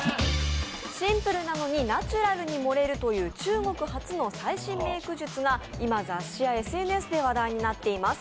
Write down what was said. シンプルなのにナチュラルに盛れるという中国発の最新メイク術が今雑誌やＳＮＳで話題になっています。